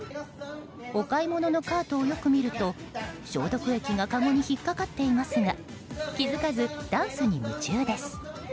お買い物のカートをよく見ると消毒液がかごに引っかかっていますが気づかずダンスに夢中です。